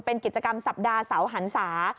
เป็นกิจกรรมสัปดาห์เสาหันศา